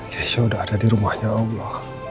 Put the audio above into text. kisah udah ada di rumahnya aku